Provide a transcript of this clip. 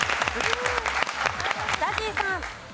ＺＡＺＹさん。